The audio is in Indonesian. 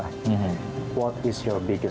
apa kekhawatiran terbesar anda